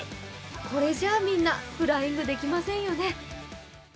これじゃあみんな、フライングできませんよね。